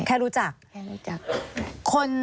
แค่รู้จัก